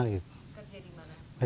kerja di mana